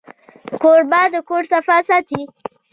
کوربه د کور صفا ساتي.